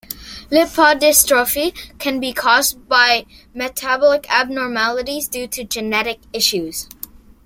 Lipodystrophy can be caused by metabolic abnormalities due to genetic issues.